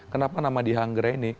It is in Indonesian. kenapa nama diang reini